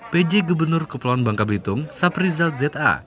pj gubernur kepulauan bangka blitung saprizal z a